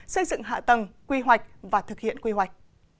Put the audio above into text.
xây dựng hạ tầng quy hoạch và thực hiện quy hoạch